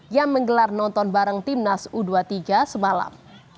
yang menggelar nonton bareng timnas u dua puluh tiga semalam